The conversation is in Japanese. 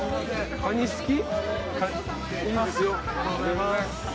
カニ好き？